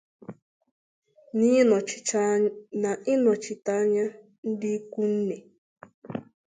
na ịnọchite anya ndị ikwunne